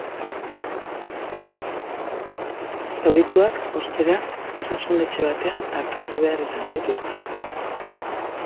Zaurituak, ostera, osasun etxe batean artatu behar izan zituzten.